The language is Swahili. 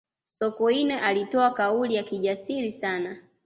sokoine alitoa kauli ya kijasiri sana